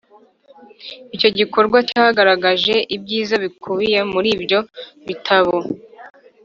icyo gikorwa cyagaragaje ibyiza bikubiye muri ibyo bitabo